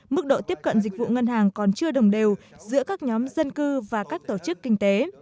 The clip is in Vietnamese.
mức độ tiếp cận dịch vụ ngân hàng còn chưa đồng đều giữa các nhóm dân cư và các tổ chức kinh tế